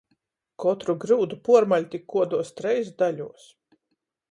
Kotru gryudu puormaļ tik kuoduos treis daļuos.